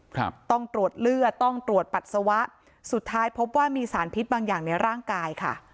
ครับต้องตรวจเลือดต้องตรวจปัสสาวะสุดท้ายพบว่ามีสารพิษบางอย่างในร่างกายค่ะ